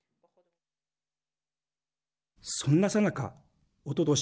そんなさなかおととし